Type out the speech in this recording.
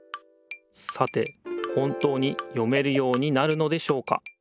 さて本当に読めるようになるのでしょうか？